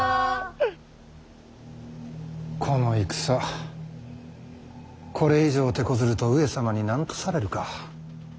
この戦これ以上てこずると上様に何とされるか。